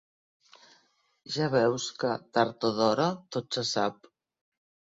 Ja veus que, tard o d'hora, tot se sap.